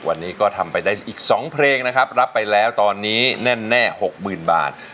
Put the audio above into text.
วันนี้ก็ทำไปได้อีกสองเพลงนะครับรับไปแล้วตอนนี้แน่นแน่หกหมื่นบาท